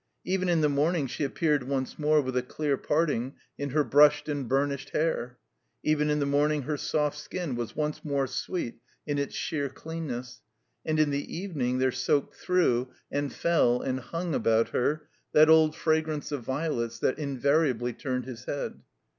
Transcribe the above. Even in the morn ing she appeared once more with a clear parting in her brushed and biunished hair. Even in the morning her soft skin was once more sweet in its sheer cleanness. And in the evening there soaked through and fell and hung about her that old fra grance of violets that invariably turned his head.